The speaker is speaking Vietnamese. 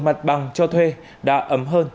mặt bằng cho thuê đã ấm hơn